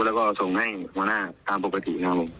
แล้วก็ส่งให้มัน่าถามประกัดของเองนะครับผม